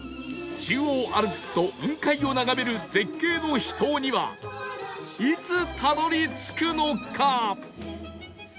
中央アルプスと雲海を眺める絶景の秘湯にはいつたどり着くのか？